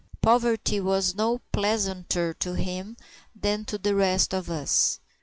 Poverty was no pleasanter to him than to the rest of us.